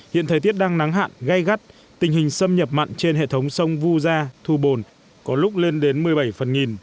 hiện thời tiết đang nắng hạn gây gắt tình hình xâm nhập mặn trên hệ thống sông vu gia thu bồn có lúc lên đến một mươi bảy phần nghìn